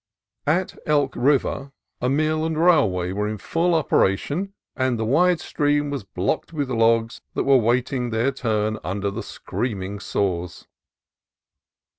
At Elk River a mill and railway were in full opera tion, and the wide stream was blocked with logs that were awaiting their turn under the screaming saws.